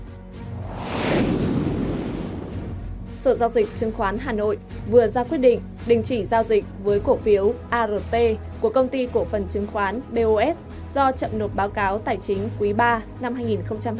sở giao dịch chứng khoán hà nội vừa ra quyết định đình chỉ giao dịch với cổ phiếu art của công ty cổ phần chứng khoán bos do chậm nộp báo cáo tài chính quý ba năm hai nghìn hai mươi